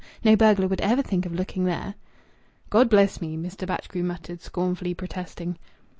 No burglar would ever think of looking there." "God bless me!" Mr. Batchgrew muttered, scornfully protesting.